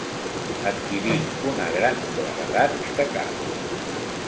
Adquirir una gran claredat de cap.